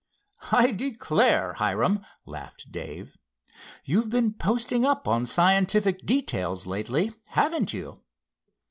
"I declare, Hiram," laughed Dave, "you've been posting up on scientific details lately; haven't you?"